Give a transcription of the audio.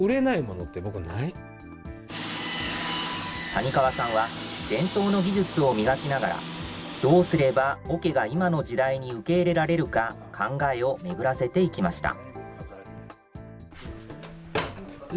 谷川さんは伝統の技術を磨きながら、どうすればおけが今の時代に受け入れられるか、考えを巡らせていきました。